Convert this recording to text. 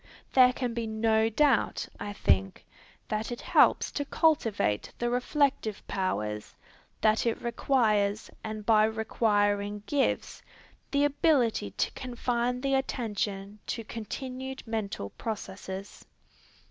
There can be no doubt, I think, that it helps to cultivate the reflective powers; that it requires, and by requiring gives, the ability to confine the attention to continued mental processes.